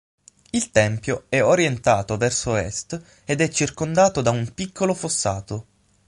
Il tempio è orientato verso Est ed è circondato da un piccolo fossato.